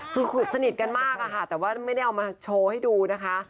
คือสนิทกันมากอะค่ะแต่ว่าไม่ได้เอามาโชว์ให้ดูนะคะ